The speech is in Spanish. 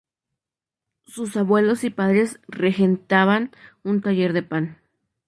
Sus abuelos y padres regentaban un taller de pan.